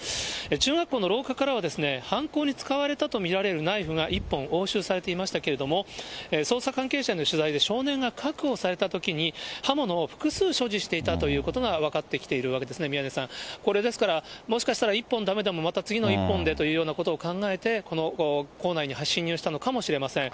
中学校の廊下からは、犯行に使われたと見られるナイフが１本押収されていましたけれども、捜査関係者への取材で、少年が確保されたときに、刃物を複数所持していたということが分かってきているわけですね、宮根さん、これですから、もしかしたら１本だめでも、また次の１本でというようなことを考えて、この校内に侵入したのかもしれません。